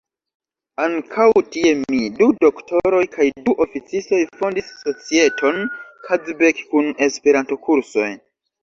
Ankaŭ tie mi, du doktoroj kaj du oficistoj fondis societon "Kazbek" kun Esperanto-kursoj.